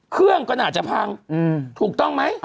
เครื่องก็น่าจะพังถูกต้องไหม